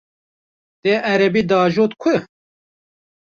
Te erebe diajot ku?